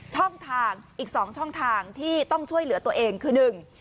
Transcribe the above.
ช่องทางอีกสองช่องทางที่ต้องช่วยเหลือตัวเองคือหนึ่ง